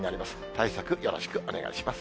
対策、よろしくお願いします。